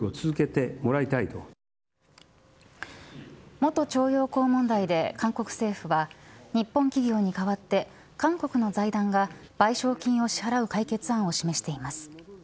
元徴用工問題で韓国政府は日本企業に代わって韓国の財団が賠償金を支払う解決案を示しています。